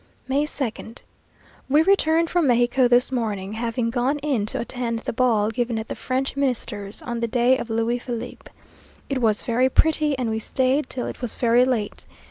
May 2nd We returned from Mexico this morning, having gone in to attend the ball given at the French Minister's, on the day of Louis Philippe. It was very pretty, and we stayed till it was very late.